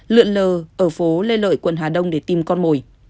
luyện lờ ở phố lê lợi quận hà đông để tìm con mồi